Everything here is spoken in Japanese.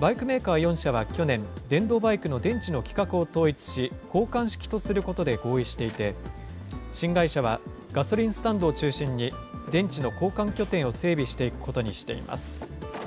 バイクメーカー４社は去年、電動バイクの電池の規格を統一し、交換式とすることで合意していて、新会社は、ガソリンスタンドを中心に、電池の交換拠点を整備していくことにしています。